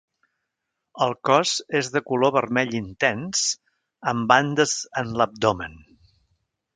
El cos és de color vermell intens, amb bandes en l'abdomen.